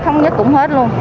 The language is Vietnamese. thống nhất cũng hết luôn